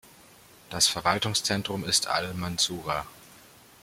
Das Verwaltungszentrum ist al-Mansura.